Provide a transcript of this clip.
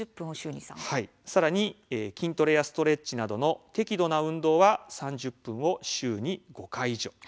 さらに筋トレやストレッチなどの適度な運動は３０分を週に５回以上。